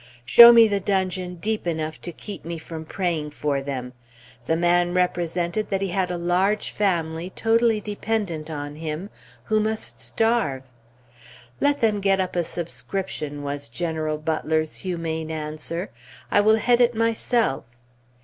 Show me the dungeon deep enough to keep me from praying for them! The man represented that he had a large family totally dependent on him, who must starve. "Let them get up a subscription," was General Butler's humane answer. "I will head it myself."